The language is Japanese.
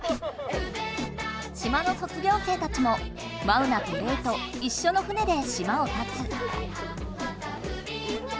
島の卒業生たちもマウナとレイといっしょの船で島をたつ。